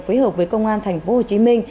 phối hợp với công an tp hcm